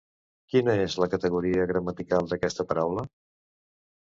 Quina és la categoria gramatical d'aquesta paraula?